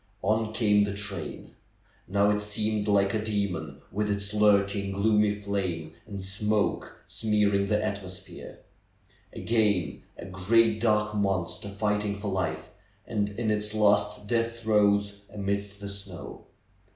On came the train! Now it seemed a demon, with its lurking, gloomy flame and smoke, smearing the atmosphere; again, a great dark 166 THE BEND OF THE HILL monster fighting for life, and in its last death throes amidst the snow.